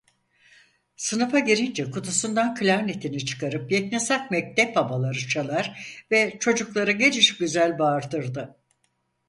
Sınıfa girince kutusundan klarnetini çıkarıp yeknesak mektep havaları çalar ve çocukları gelişigüzel bağırtırdı.